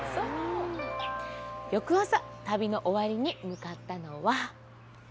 翌朝、旅の終わりに向かったのは。